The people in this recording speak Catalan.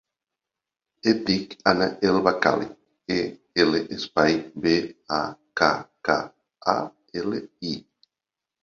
Em dic Anna El Bakkali: e, ela, espai, be, a, ca, ca, a, ela, i.